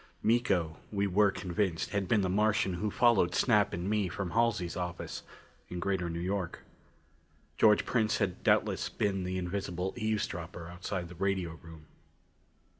Miko, we were convinced, had been the Martian who followed Snap and me from Halsey's office in Greater New York. George Prince had doubtless been the invisible eavesdropper outside the radio room.